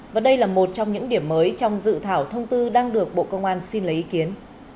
và đây là một trong những điểm mới trong dự thảo thông tư đang được bộ công an xin lấy ý kiến